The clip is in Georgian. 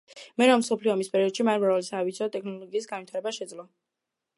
მეორე მსოფლიო ომის პერიოდში მან მრავალი საავიაციო ტექნოლოგიის განვითარება შეძლო.